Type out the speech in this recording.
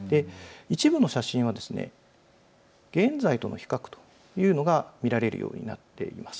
一部の写真は現在との比較というのが見られるようになっています。